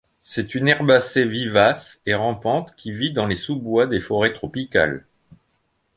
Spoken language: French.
C'est une herbacée vivace et rampante qui vit dans les sous-bois des forêts tropicales.